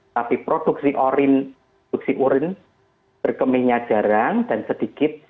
tapi produksi urin berkemihnya jarang dan sedikit